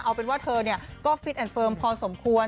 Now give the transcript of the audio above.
เอาเป็นว่าเธอก็ฟิตแอนดเฟิร์มพอสมควร